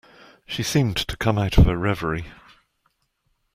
She seemed to come out of a reverie.